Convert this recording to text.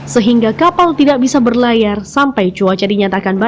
sehingga kapal tidak bisa berlayar sampai cuaca dinyatakan baik